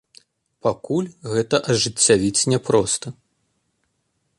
Пакуль гэта ажыццявіць няпроста.